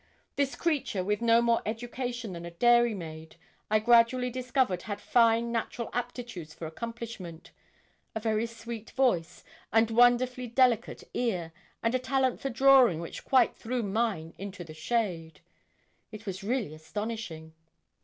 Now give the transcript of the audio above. This creature, with no more education than a dairy maid, I gradually discovered had fine natural aptitudes for accomplishment a very sweet voice, and wonderfully delicate ear, and a talent for drawing which quite threw mine into the shade. It was really astonishing.